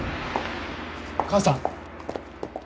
母さん！